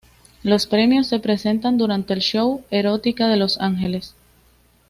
Los premios se presentan durante el show Erotica de Los Ángeles.